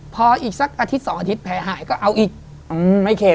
พออีกสักอาทิตย์สองอาทิตย์แผลหายก็เอาอีก